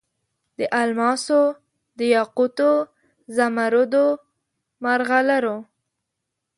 د الماسو، دیاقوتو، زمرودو، مرغلرو